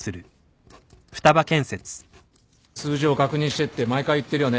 数字を確認してって毎回言ってるよね。